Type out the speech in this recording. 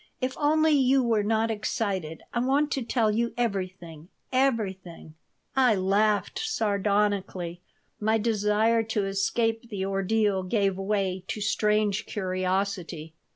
If only you were not excited! I want to tell you everything, everything." I laughed sardonically. My desire to escape the ordeal gave way to strange curiosity.